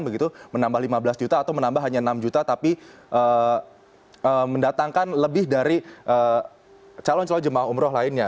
begitu menambah lima belas juta atau menambah hanya enam juta tapi mendatangkan lebih dari calon calon jemaah umroh lainnya